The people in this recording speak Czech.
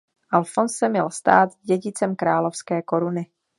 Alfons se měl stát dědicem královské koruny.